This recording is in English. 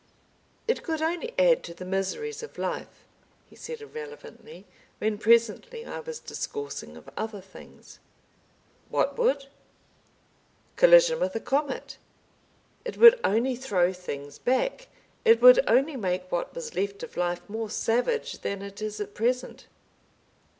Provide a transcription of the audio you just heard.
"It could only add to the miseries of life," he said irrelevantly, when presently I was discoursing of other things. "What would?" "Collision with a comet. It would only throw things back. It would only make what was left of life more savage than it is at present."